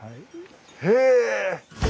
へえ！